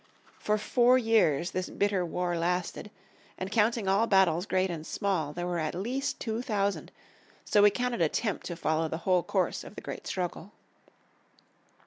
For four years this bitter war lasted, and counting all battles great and small there were at least two thousand, so we cannot attempt to follow the whole course of the great struggle.